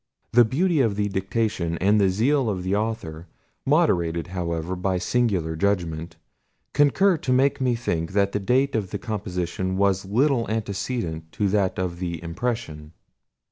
The beauty of the diction, and the zeal of the author (moderated, however, by singular judgment) concur to make me think that the date of the composition was little antecedent to that of the impression.